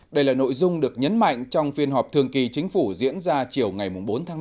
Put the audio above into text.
đây là nội dung được nhấn mạnh trong phiên họp thường kỳ chính phủ diễn ra chiều ngày bốn tháng năm